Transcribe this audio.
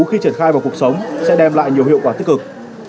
khi triển khai vào cuộc sống sẽ đem lại nhiều hiệu quả tích cực